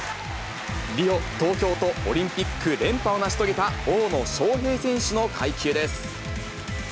リオ、東京と、オリンピック連覇を成し遂げた大野将平選手の階級です。